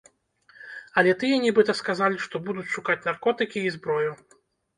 Але тыя нібыта сказалі, што будуць шукаць наркотыкі і зброю.